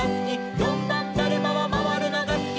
「よんばんだるまはまわるのがすき」